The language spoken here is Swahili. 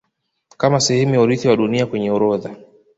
Kama sehemu ya urithi wa Dunia kwenye orodha